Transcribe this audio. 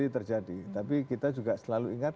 terjadi tapi kita juga selalu ingat